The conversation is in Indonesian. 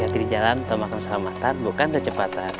hati hati di jalan tolong makan selamatkan bukan tercepatan